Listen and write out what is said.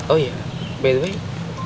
oh iya baik baik